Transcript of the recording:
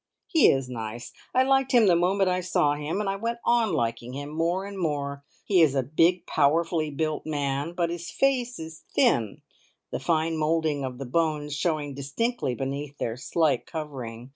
He is nice! I liked him the moment I saw him, and I went on liking him more and more. He is a big, powerfully built man, but his face is thin, the fine moulding of the bones showing distinctly beneath their slight covering.